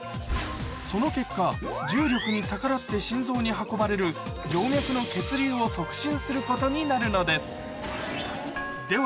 その結果重力に逆らって心臓に運ばれる静脈の血流を促進することになるのですでは